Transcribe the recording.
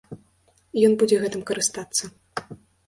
Ён будзе гэтым карыстацца.